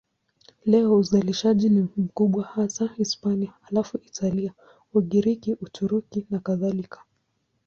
Leo uzalishaji ni mkubwa hasa Hispania, halafu Italia, Ugiriki, Uturuki nakadhalika.